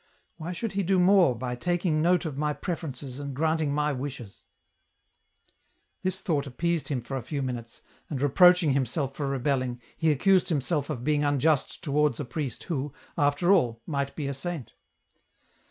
Why should He do more by taking note of my preferences and granting my wishes ?" This thought appeased him for a few minutes, and 202 EN ROUTE. reproaching himself for rebelling, he accused himself of being unjust towards a priest who, after all, might be a saint.